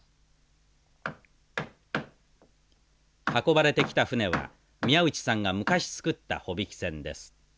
運ばれてきた船は宮内さんが昔造った帆引き船です。